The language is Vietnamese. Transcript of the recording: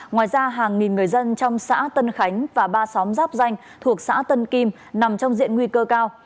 ngoài ra hàng nghìn người dân trong xã tân khánh và ba xóm giáp danh thuộc xã tân kim nằm trong diện nguy cơ cao